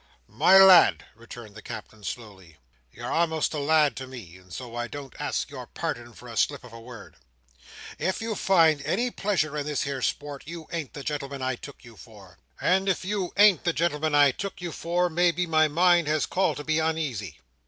"My lad," returned the Captain, slowly—"you are a'most a lad to me, and so I don't ask your pardon for that slip of a word,—if you find any pleasure in this here sport, you ain't the gentleman I took you for. And if you ain't the gentleman I took you for, may be my mind has call to be uneasy.